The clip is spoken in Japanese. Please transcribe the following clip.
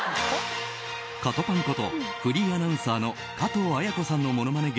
カトパンことフリーアナウンサーの加藤綾子さんのモノマネ